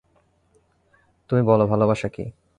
তুমি বলো ভালোবাসা কি?